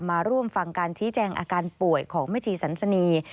มาร่วมฟังการชี้แจงอาการป่วยของแม่ชีสันสนี